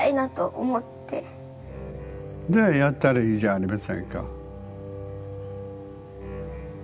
ではやったらいいじゃありませんか。